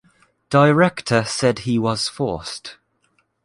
Director said he was forced.